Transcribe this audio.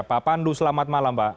pak pandu selamat malam pak